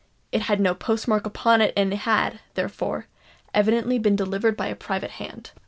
It had no post mark upon it, and had, therefore, evidently been delivered by a private hand.